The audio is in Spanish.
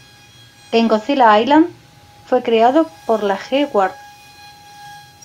En "Godzilla Island", fue creado por la "G-Guard".